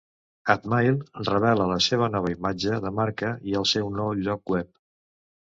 Atmail revela la seva nova imatge de marca i el seu nou lloc web.